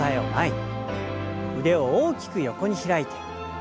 腕を大きく横に開いて。